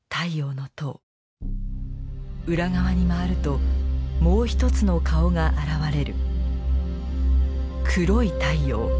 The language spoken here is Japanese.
裏側に回るともう一つの顔が現れる。